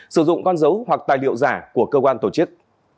sử dụng con dấu hoặc tài liệu giả của cơ quan tổ chức